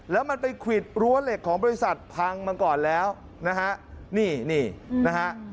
แล้วมันไปขวิตรั้วเหล็กของบริษัทพังมันก่อนแล้วนี่นะฮะ